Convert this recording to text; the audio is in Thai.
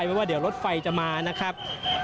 ว่าเดี๋ยวรถไฟจะมานะครับ